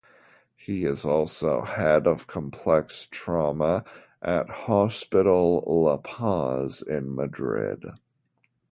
He is also head of complex trauma at Hospital La Paz in Madrid.